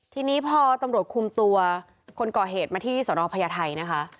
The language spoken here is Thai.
ทีนี้พอตำรวจคุมตัวคนก่อเหตุมาที่สนพญาไทยนะคะ